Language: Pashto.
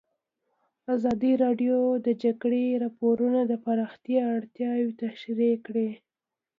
ازادي راډیو د د جګړې راپورونه د پراختیا اړتیاوې تشریح کړي.